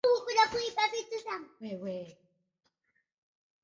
unachukua sehemu kubwa ya eneo la Mkoa